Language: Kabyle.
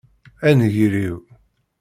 A nnger-iw!